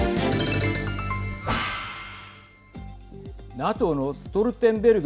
ＮＡＴＯのストルテンベルグ